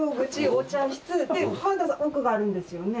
お茶室でまだ奥があるんですよね？